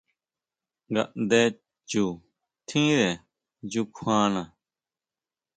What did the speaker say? Ngaʼndé chu tjínre nyukjuana.